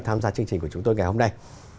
tham gia chương trình của chúng tôi ngày hôm nay